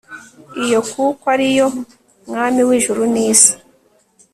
iyo kuko ari yo mwami w'ijuri n'isi